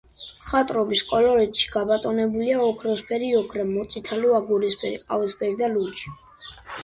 მხატვრობის კოლორიტში გაბატონებულია ოქროსფერი ოქრა, მოწითალო-აგურისფერი, ყავისფერი და ლურჯი.